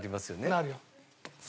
なるよ。